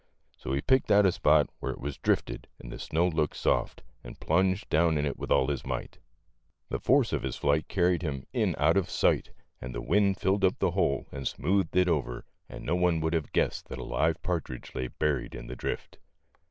So he picked out a spot where it was drifted and the snow looked soft, and plunged down in it with all his might. The force of his flight carried him in out of sight, A NIGHT WITH RUFF GROUSE. 121 and the wind filled up the hole and smoothed it over, and no one would have guessed that a live partridge lay buried in the drift.